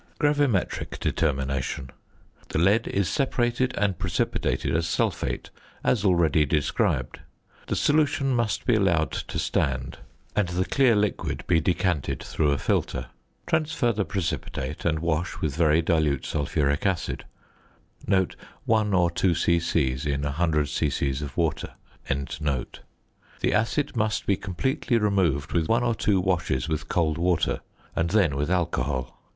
GRAVIMETRIC DETERMINATION. The lead is separated and precipitated as sulphate, as already described. The solution must be allowed to stand, and the clear liquid be decanted through a filter. Transfer the precipitate, and wash with very dilute sulphuric acid (1 or 2 c.c. in 100 c.c. of water). The acid must be completely removed with one or two washes with cold water, and then with alcohol.